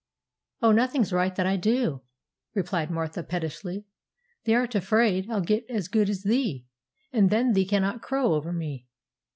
'Oh, nothing's right that I do!' replied Martha pettishly; 'thee'rt afraid I'll get as good as thee, and then thee cannot crow over me.